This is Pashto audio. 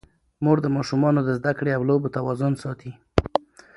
مور د ماشومانو د زده کړې او لوبو توازن ساتي.